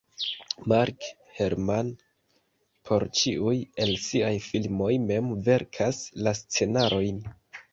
Mark Herman por ĉiuj el siaj filmoj mem verkas la scenarojn.